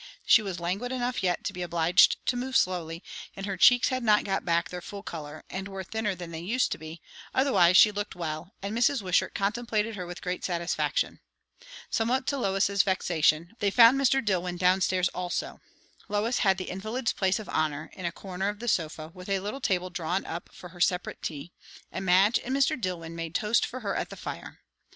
She was languid enough yet to be obliged to move slowly, and her cheeks had not got back their full colour, and were thinner than they used to be; otherwise she looked well, and Mrs. Wishart contemplated her with great satisfaction. Somewhat to Lois's vexation, or she thought so, they found Mr. DilIwyn down stairs also. Lois had the invalid's place of honour, in a corner of the sofa, with a little table drawn up for her separate tea; and Madge and Mr. Dillwyn made toast for her at the fire.